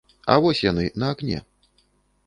А вось яны, на акне.